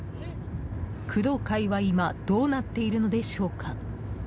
工藤会は今どうなっているのでしょうか？